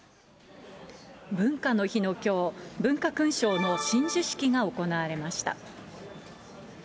文化の日のきょう、文化勲章の親授式が行われました。